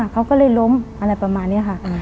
เขาก็เลยล้มอะไรประมาณนี้ค่ะ